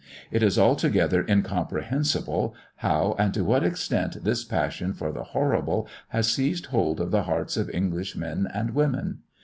It is altogether incomprehensible, how and to what extent this passion for the horrible has seized hold of the hearts of English men and women.